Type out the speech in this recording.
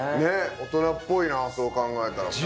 大人っぽいなそう考えたら。